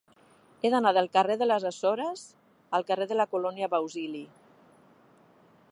He d'anar del carrer de les Açores al carrer de la Colònia Bausili.